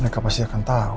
mereka pasti akan tau